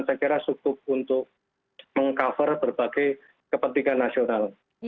saya kira cukup untuk meng cover berbagai kepentingan nasional